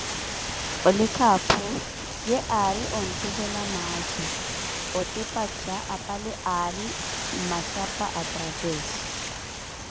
Olikha apho, we aari ontuvela maazu, otepaca apale aari mmaxhapa a Traveso.